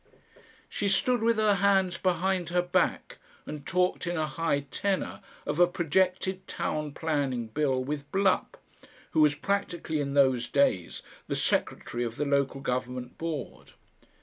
She stood with her hands behind her back, and talked in a high tenor of a projected Town Planning Bill with Blupp, who was practically in those days the secretary of the local Government Board.